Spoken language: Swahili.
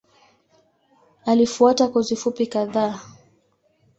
Alifuata kozi fupi kadhaa.